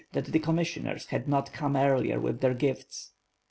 that the commissioners had not come earlier with their gifts.